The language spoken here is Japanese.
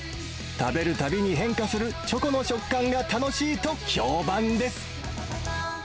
食べるたびに変化するチョコの食感が楽しいと、評判です。